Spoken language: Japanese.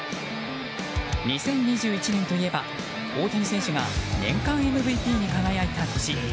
２０２１年といえば大谷選手が年間ＭＶＰに輝いた年。